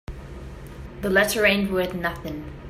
The letter ain't worth nothing.